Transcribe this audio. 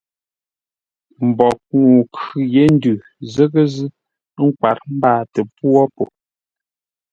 Mbwoghʼ ŋuu khʉ yé ndʉ zə́ghʼə́-zʉ́, ə́ nkwát mbáatə pwô po.